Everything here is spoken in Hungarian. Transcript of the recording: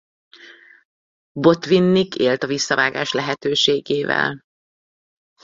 Botvinnik élt a visszavágás lehetőségével.